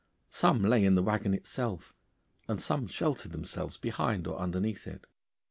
Some lay in the waggon itself, and some sheltered themselves behind or underneath it.